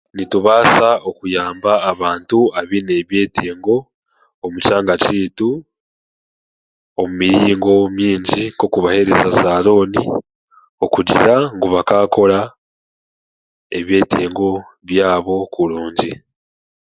Nitubaasa okuyamba abantu abaine ebyetengo omu kyanga kyaitu omu miringo mingi nk'okubahereza zaarooni okugira ngu bakaakora ebyetengo byabo kurungi